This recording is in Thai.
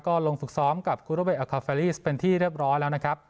ก็ลงฝึกซ้อมกับคูโรเวทอัคาเฟลีสเป็นที่เรียบร้อยแล้วนะครับ